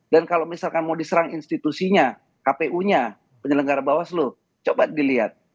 dan kalau misalkan mau diserang institusinya kpu nya penyelenggara bawas lo coba dilihat